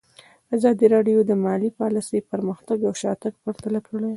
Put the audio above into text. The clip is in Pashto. ازادي راډیو د مالي پالیسي پرمختګ او شاتګ پرتله کړی.